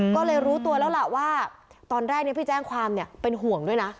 ก็เลยรู้ตัวแล้วล่ะว่าตอนแรกที่แจ้งความเป็นห่วงด้วยนะ